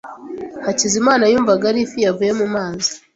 Hakizimana yumvaga ari ifi ivuye mu mazi.